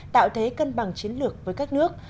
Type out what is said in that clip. tạo thế cân bằng chiến lược với các nước